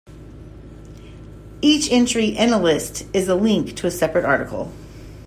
Each entry in a list is a link to a separate article.